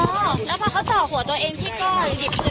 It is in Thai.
อ้าวแล้วพ้างเขาจะหาเป็นเข้าบนตัวเองที่ก็หยิบได้เลย